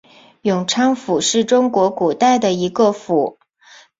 永昌府是中国古代的一个府。